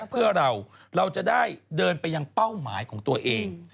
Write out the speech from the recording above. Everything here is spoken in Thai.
เพื่อเราเราจะได้เดินไปยังเป้าหมายของตัวเอง